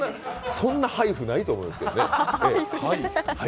そんなハイフないと思いますけどね。